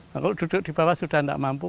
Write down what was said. kalau duduk di bawah sudah tidak mampu